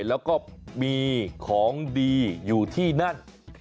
แล้วก็มีของดีอยู่ที่นั่น